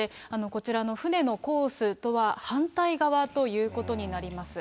こちらの船のコースとは反対側ということになります。